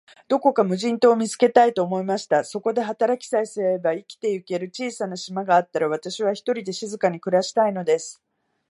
どこか無人島を見つけたい、と思いました。そこで働きさえすれば、生きてゆける小さな島があったら、私は、ひとりで静かに暮したいのです。